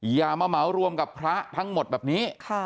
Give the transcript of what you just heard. อย่ามาเหมารวมกับพระทั้งหมดแบบนี้